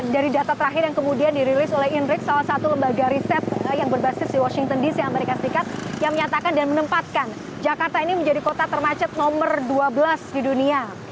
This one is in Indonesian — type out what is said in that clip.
dari data terakhir yang kemudian dirilis oleh indrix salah satu lembaga riset yang berbasis di washington dc amerika serikat yang menyatakan dan menempatkan jakarta ini menjadi kota termacet nomor dua belas di dunia